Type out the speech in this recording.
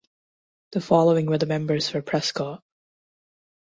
The following were the members for Prescott.